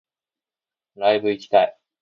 ライブ行きたい